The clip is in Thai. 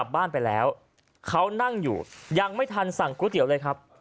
บ้านไปแล้วเขานั่งอยู่ยังไม่ทันสั่งก๋วยเตี๋ยวเลยครับ